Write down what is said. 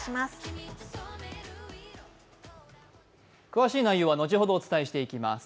詳しい内容は後ほどお伝えしていきます。